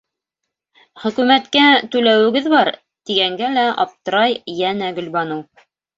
Хөкүмәткә түләүегеҙ бар, тигәнгә лә аптырай йәнә Гөлбаныу.